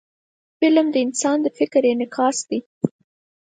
فلم د انسان د فکر انعکاس دی